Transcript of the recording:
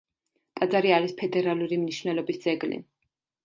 ტაძარი არის ფედერალური მნიშვნელობის ძეგლი.